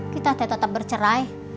kita tetap tetap bercerai